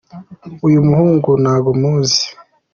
uyumuhungu ntago muzi